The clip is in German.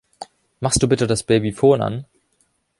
Machst du bitte das Babyphon an?